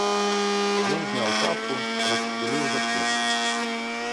Ён зняў шапку, расшпіліў жакетку.